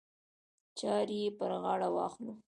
چارې یې پر غاړه واخلو.